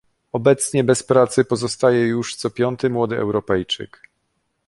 Obecnie bez pracy pozostaje już co piąty młody Europejczyk